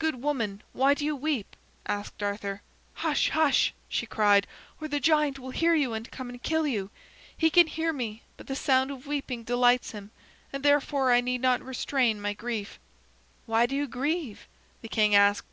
"Good woman, why do you weep?" asked Arthur. "Hush, hush!" she cried, "or the giant will hear you and come and kill you. He can hear me, but the sound of weeping delights him, and therefore I need not restrain my grief." "Why do you grieve?" the king asked.